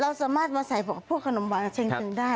สามารถมาใส่พวกขนมหวานเช็งคืนได้